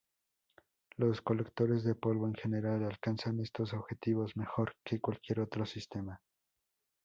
Los colectores de polvo en general alcanzan estos objetivos mejor que cualquier otro sistema.